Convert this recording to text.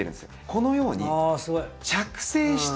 このように着生している。